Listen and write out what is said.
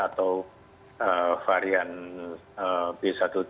atau varian b satu tiga